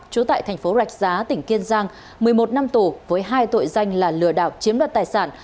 trú tại thành phố rạch giá tỉnh kiên giang một mươi một năm tù với hai tội danh là lừa đảo chiếm đoạt tài sản